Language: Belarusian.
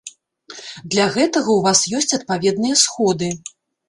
Для гэтага ў вас ёсць адпаведныя сходы.